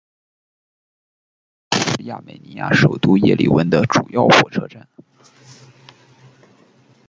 叶里温车站是亚美尼亚首都叶里温的主要火车站。